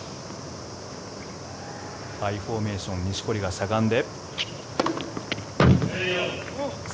アイフォーメーション錦織がしゃがんで。